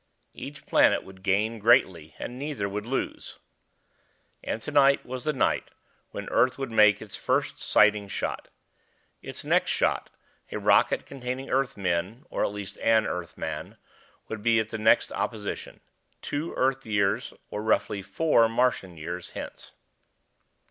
Each planet would gain greatly, and neither would lose. And tonight was the night when Earth would make its first sighting shot. Its next shot, a rocket containing Earthmen, or at least an Earthman, would be at the next opposition, two Earth years, or roughly four Martian years, hence.